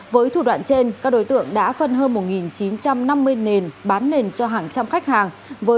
với thủ đoạn trên các đối tượng đã phân hơn một chín trăm năm mươi nền bán nền cho hàng trăm khách hàng